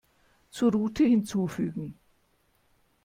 Zur Route hinzufügen.